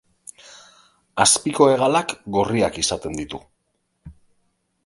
Azpiko hegalak gorriak izaten ditu.